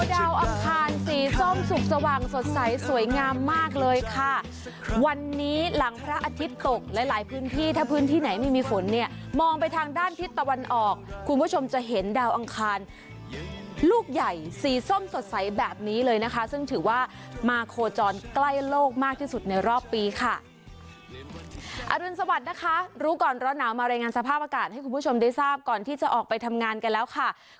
เพราะดาวอังคารสีส้มสุกสว่างสดใสสวยงามมากเลยค่ะวันนี้หลังพระอาทิตย์ตกหลายหลายพื้นที่ถ้าพื้นที่ไหนไม่มีฝนเนี่ยมองไปทางด้านที่ตะวันออกคุณผู้ชมจะเห็นดาวอังคารลูกใหญ่สีส้มสดใสแบบนี้เลยนะคะซึ่งถือว่ามาโคจรใกล้โลกมากที่สุดในรอบปีค่ะอรุณสวัสดิ์นะคะรู้ก่อนร้อนหนาวมารายงานสภาพอาก